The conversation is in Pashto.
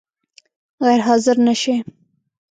غیر حاضر نه شې؟